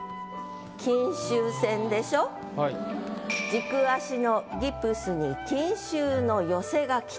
「軸足のギプスに金秋の寄せ書き」と。